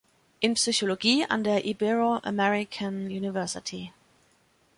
in Psychologie an der Ibero-American University.